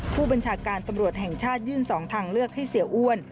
ผู้บัญชาการตำรวจแห่งชาติยื่น๒ทางเลือกให้เสียอ้วน